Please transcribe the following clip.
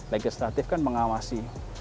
legislatif kan pengawasi